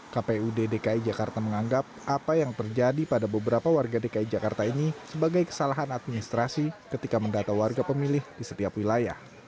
kpu dki jakarta menganggap apa yang terjadi pada beberapa warga dki jakarta ini sebagai kesalahan administrasi ketika mendata warga pemilih di setiap wilayah